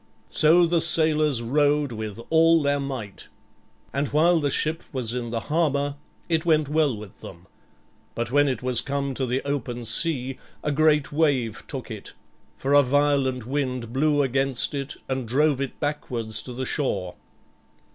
So the sailors rowed with all their might; and while the ship was in the harbor it went well with them, but when it was come to the open sea a great wave took it, for a violent wind blew against it and drove it backwards to the shore.